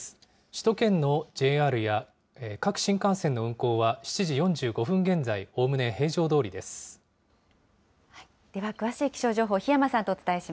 首都圏のＪＲや各新幹線の運行は７時４５分現在、おおむね平常どでは詳しい気象情報、檜山さ